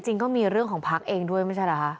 จริงก็มีเรื่องของพักเองด้วยไม่ใช่เหรอคะ